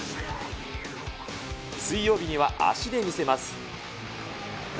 水曜日には足で見せます。